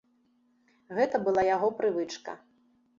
Гэта была яго прывычка.